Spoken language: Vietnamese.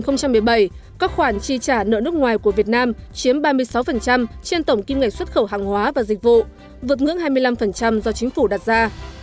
năm hai nghìn một mươi bảy các khoản chi trả nợ nước ngoài của việt nam chiếm ba mươi sáu trên tổng kim ngạch xuất khẩu hàng hóa và dịch vụ vượt ngưỡng hai mươi năm do chính phủ đặt ra